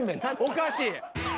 おかしい。